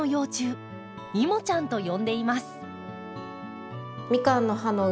「イモちゃん」と呼んでいます。